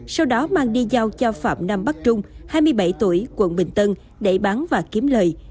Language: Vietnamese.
sau đó mang đi giao cho phạm nam bắc trung hai mươi bảy tuổi quận bình tân để bán và kiếm lời